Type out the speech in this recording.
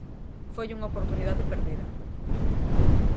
Foi unha oportunidade perdida.